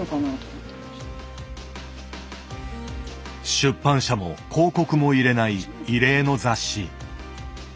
出版社も広告も入れない異例の雑誌。